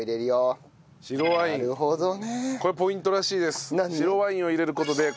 これポイントらしいです。